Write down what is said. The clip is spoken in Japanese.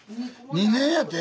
２年やて。